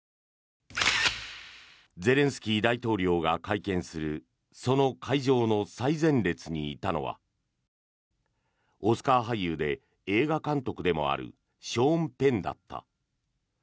ゼレンスキー大統領が会見するその会場の最前列にいたのはオスカー俳優で映画監督でもあるショーン・ペンだった。